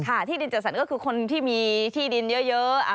ที่ดินจัดสรรก็คือคนที่มีที่ดินเยอะ